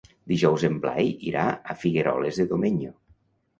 Dijous en Blai irà a Figueroles de Domenyo.